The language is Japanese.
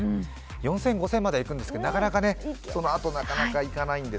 ４０００、５０００まではいくんですが、なかなかそのあとがいかないので。